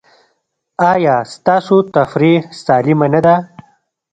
ایا ستاسو تفریح سالمه نه ده؟